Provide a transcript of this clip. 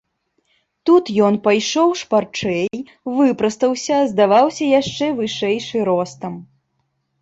Тут ён пайшоў шпарчэй, выпрастаўся, здаваўся яшчэ вышэйшы ростам.